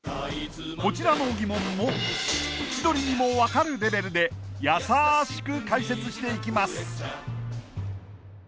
こちらの疑問も千鳥にも分かるレベルでやさしく解説していきます